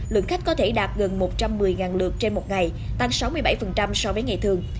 lượng khách có thể đạt gần một trăm một mươi lượt trên một ngày tăng sáu mươi bảy so với ngày thường